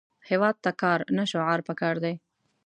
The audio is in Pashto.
هیواد ته کار، نه شعار پکار دی